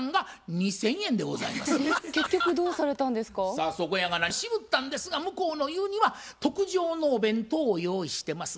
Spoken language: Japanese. さあそこやがな渋ったんですが向こうの言うには「特上のお弁当を用意してます。